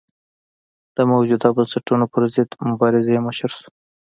د موجوده بنسټونو پرضد مبارزې مشر شو.